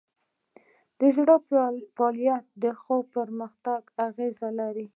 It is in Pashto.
د زړه فعالیت د خوب پر کیفیت اغېز لري.